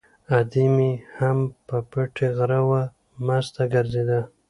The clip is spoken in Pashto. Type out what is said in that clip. ادې مې هم په پټي غره وه، مسته ګرځېده.